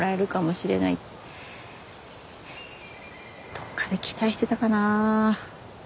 どっかで期待してたかな。